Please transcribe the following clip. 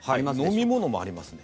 飲み物もありますね。